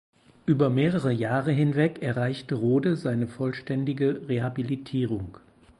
Über mehrere Jahre hinweg erreichte Rohde seine vollständige Rehabilitierung.